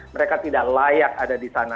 mereka tidak layak ada di sana